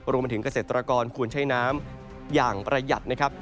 มาถึงเกษตรกรควรใช้น้ำอย่างประหยัดนะครับ